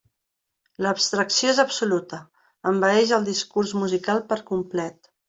L'abstracció és absoluta: envaeix el discurs musical per complet.